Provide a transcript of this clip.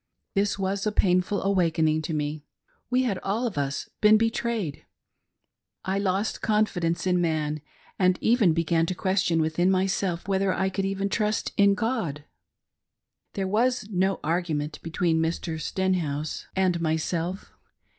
This was a painful awakening to me ; we had all of us been betrayed ; I lost confidence in man, and even began to question within myself whether I could even trust in God, There was no argument between Mr. Stenhouse and myr ANXIOUS ABOUT POLYGAMY. I3I self.